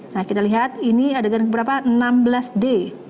nah kita lihat ini adegan keberapa enam belas d